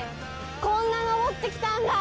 こんな上って来たんだ！